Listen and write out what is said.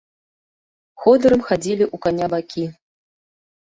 Ходырам хадзілі ў каня бакі.